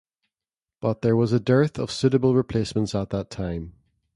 But there was a dearth of suitable replacements at that time.